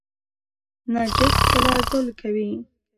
نرجس کله ګل کوي؟